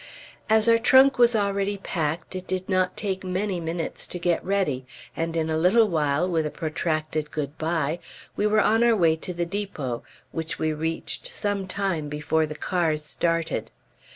As our trunk was already packed, it did not take many minutes to get ready; and in a little while, with a protracted good bye, we were on our way to the depot, which we reached some time before the cars started.